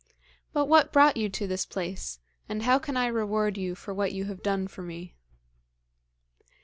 But what brought you to this place, and how can I reward you for what you have done for me?'